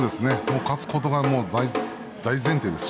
勝つことが大前提です。